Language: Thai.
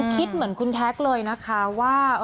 คิดเหมือนคุณแท็กเลยนะคะว่า